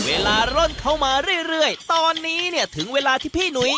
ร่นเข้ามาเรื่อยตอนนี้เนี่ยถึงเวลาที่พี่หนุ้ย